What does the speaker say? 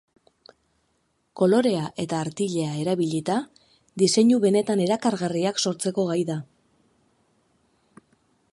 Kolorea eta artilea erabilita, diseinu benetan erakargarriak sortzeko gai da.